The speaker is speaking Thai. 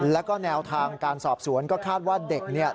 แล้วก็แนวทางการสอบสวนก็คาดว่าเด็กเนี่ย